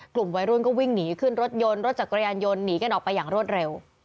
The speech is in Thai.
กลุ่มวัยรุ่นก็วิ่งหนีขึ้นรถยนต์รถจักรยานยนต์หนีกันออกไปอย่างรวดเร็ว